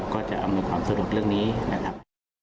ก็จะอำนวยความสะดวกเรื่องนี้นะครับ